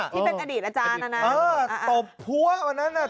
พี่เป็นอดีตอาจารย์นานั้น